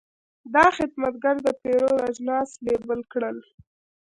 دا خدمتګر د پیرود اجناس لیبل کړل.